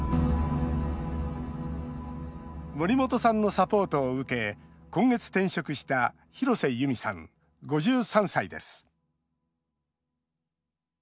森本さんのサポートを受け今月、転職した廣瀬由美さん５３歳です。